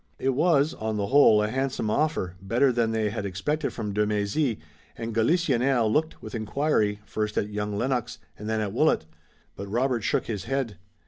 It was, on the whole, a handsome offer, better than they had expected from de Mézy, and Galisonnière looked with inquiry, first at young Lennox and then at Willet. But Robert shook his head.